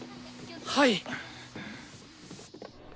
はい！